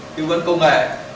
tư vấn công nghệ